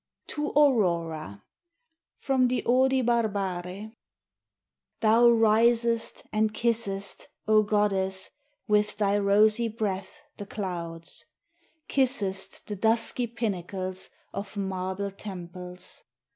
TO AURORA From the 'Odi Barbare' Thou risest and kissest, O Goddess, with thy rosy breath, the clouds, Kissest the dusky pinnacles of marble temples.